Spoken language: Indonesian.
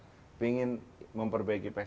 saya ingin memperbaiki perspektif